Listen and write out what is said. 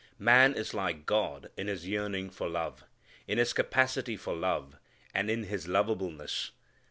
Man is like God in his yearning for love, in his capacity for love, and in his lovableness.